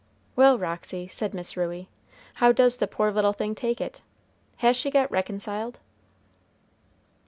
"Well, Roxy," said Miss Ruey, "how does the poor little thing take it? Has she got reconciled?"